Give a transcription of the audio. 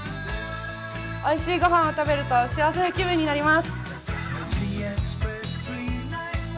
おいしい御飯を食べると幸せな気分になります。